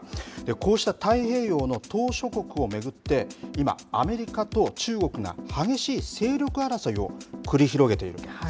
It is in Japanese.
こうした太平洋の島しょ国を巡って今、アメリカと中国が激しい勢力争いを繰り広げているんです。